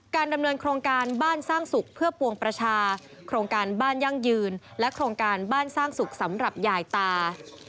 ดำเนินโครงการบ้านสร้างสุขเพื่อปวงประชาโครงการบ้านยั่งยืนและโครงการบ้านสร้างสุขสำหรับยายตา